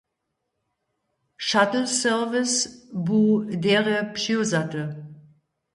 Shuttle serwis bu derje přiwzaty.